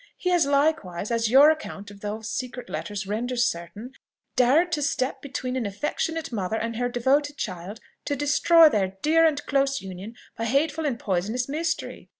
He has likewise, as your account of those secret letters renders certain, dared to step between an affectionate mother and her devoted child, to destroy their dear and close union by hateful and poisonous mystery.